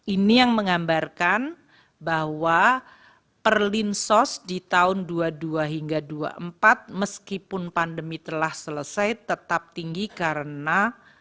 ini yang menggambarkan bahwa perlinsos di tahun dua puluh dua hingga dua ribu dua puluh empat meskipun pandemi telah selesai tetap tinggi karena